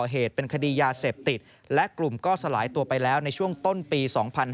เหตุเป็นคดียาเสพติดและกลุ่มก็สลายตัวไปแล้วในช่วงต้นปี๒๕๕๙